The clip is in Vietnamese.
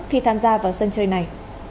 khi tham gia vào sân chơi này